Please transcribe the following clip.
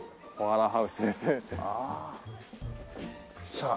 さあ。